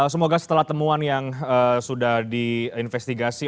semoga setelah temuan yang sudah diinvestigasi